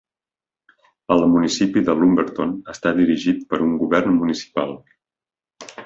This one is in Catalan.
El municipi de Lumberton està dirigit per un govern municipal.